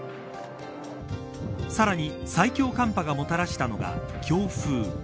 さらに最強寒波がもたらしたのが強風。